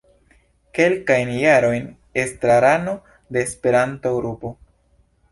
Kelkajn jarojn estrarano de Esperanto-Grupo.